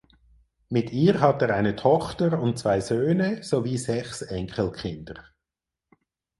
Mit ihr hat er eine Tochter und zwei Söhne sowie sechs Enkelkinder.